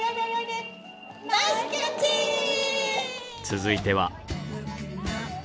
続いては。